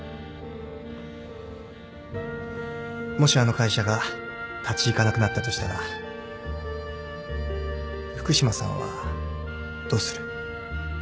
もしあの会社が立ち行かなくなったとしたら福島さんはどうする？